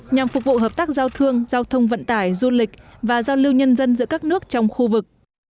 nhằm phục vụ hợp tác giao thương giao thông vận tải du lịch và giao lưu nhân dân giữa các nước trong khu vực